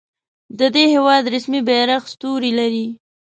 د دې هیواد رسمي بیرغ ستوری لري.